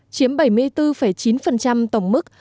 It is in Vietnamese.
chiếm bảy mươi bốn chín tổng mức